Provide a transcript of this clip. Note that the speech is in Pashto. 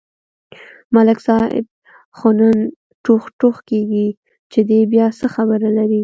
ملک صاحب خو نن ټوغ ټوغ کېږي، چې دی بیا څه خبره لري.